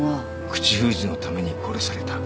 口封じのために殺された。